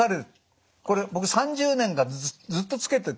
これ僕３０年間ずっとつけてて。